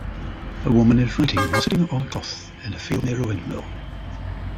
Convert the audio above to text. A woman is writing while sitting on cloth in a field near a windmill.